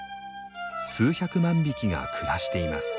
数百万匹が暮らしています。